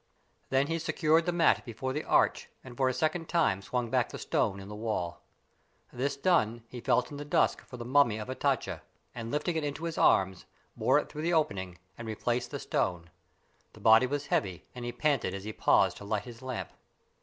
Then he secured the mat before the arch and for a second time swung back the stone in the wall. This done, he felt in the dusk for the mummy of Hatatcha, and lifting it in his arms, bore it through the opening and replaced the stone. The body was heavy, and he panted as he paused to light his lamp.